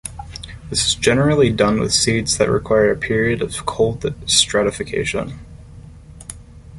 This is generally done with seeds that require a period of cold stratification.